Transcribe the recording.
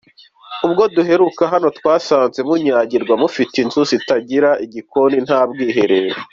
Ubwo duheruka hano twasanze munyagirwa, mufite inzu zitagira igikoni , nta bwiherero ….